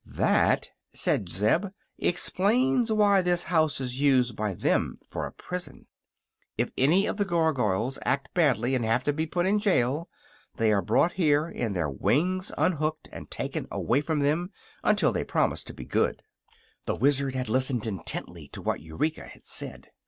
"That," said Zeb, "explains why this house is used by them for a prison. If any of the Gargoyles act badly, and have to be put in jail, they are brought here and their wings unhooked and taken away from them until they promise to be good." The Wizard had listened intently to what Eureka had said.